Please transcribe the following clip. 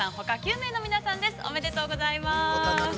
ご当選おめでとうございます！